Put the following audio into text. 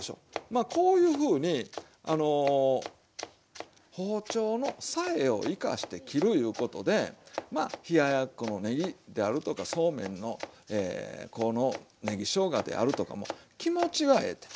まあこういうふうにあの包丁のさえを生かして切るいうことでまあ冷ややっこのねぎであるとかそうめんのこのねぎしょうがであるとかも気持ちがええて。